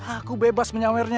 aku bebas menyawernya